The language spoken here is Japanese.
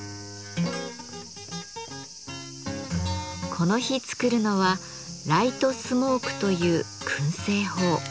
この日作るのは「ライトスモーク」という燻製法。